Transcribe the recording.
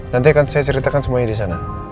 nanti akan saya ceritakan semuanya di sana